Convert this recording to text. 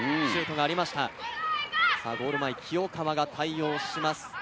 ゴール前、清川が対応します。